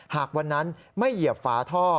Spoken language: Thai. หากวันนั้นไม่เหยียบฝาท่อ